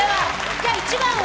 じゃあ、１番は？